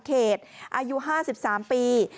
เขตอายุ๕๓ปี